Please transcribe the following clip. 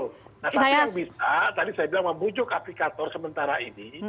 nah satu yang bisa tadi saya bilang membujuk aplikator sementara ini